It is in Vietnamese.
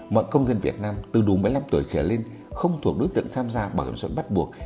mọi công dân việt nam từ đủ bảy mươi năm tuổi trở lên không thuộc đối tượng tham gia bảo hiểm suất bắt buộc